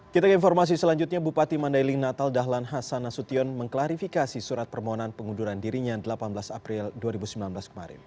kita ke informasi selanjutnya bupati mandailing natal dahlan hasan nasution mengklarifikasi surat permohonan pengunduran dirinya delapan belas april dua ribu sembilan belas kemarin